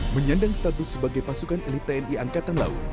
menyandang status sebagai pasukan elit tni angkatan laut